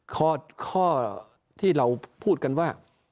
ข้อที่เราพูดกันว่า